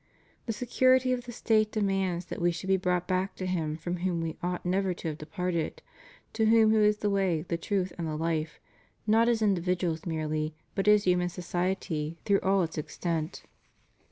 The security of the State demands that we should be brought back to Him from whom we ought never to have departed to Him who is the way, the truth, and the life, not as individuals merely, but as human society througli all its extent.